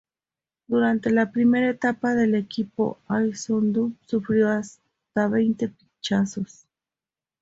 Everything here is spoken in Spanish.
Durante la primera etapa el equipo Alcyon-Dunlop sufrió hasta veinte pinchazos.